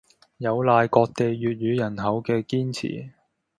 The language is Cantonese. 有賴各地粵語人口嘅堅持